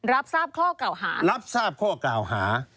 รับทราบข้อเก่าหารับทราบข้อกล่าวหา